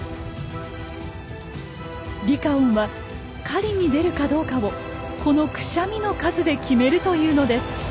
リカオンは狩りに出るかどうかをこのクシャミの数で決めるというのです。